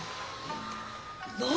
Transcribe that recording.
何？